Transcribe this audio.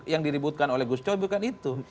yang diributkan oleh gus coy bukan itu